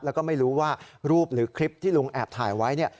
แล้วก็ไม่รู้ว่ารูปหรือคลิปที่ลุงแอบถ่ายไว้เนี่ย